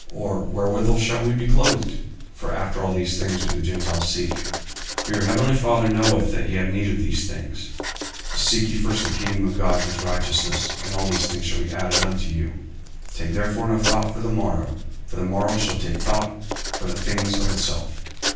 or, Wherewithal shall we be clothed? 40:006:032 (For after all these things do the Gentiles seek:) for your heavenly Father knoweth that ye have need of all these things. 40:006:033 But seek ye first the kingdom of God, and his righteousness; and all these things shall be added unto you. 40:006:034 Take therefore no thought for the morrow: for the morrow shall take thought for the things of itself.